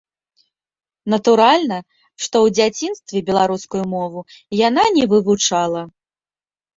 Натуральна, што ў дзяцінстве беларускую мову яна не вывучала.